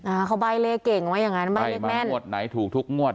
อ่าเขาใบ้เลขเก่งไว้อย่างงั้นใบ้เลขแม่นงวดไหนถูกทุกงวด